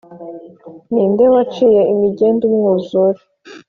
“ni nde waciye imigende umwuzūre